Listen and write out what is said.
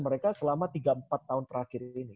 mereka selama tiga empat tahun terakhir ini